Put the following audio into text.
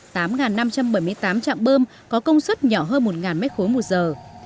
tám năm trăm bảy mươi tám trạm bơm có công suất nhỏ hơn một m ba một giờ